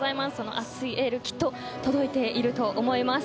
熱いエール、きっと届いていると思います。